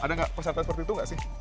ada persatuan seperti itu nggak sih